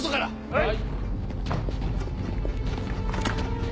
はい！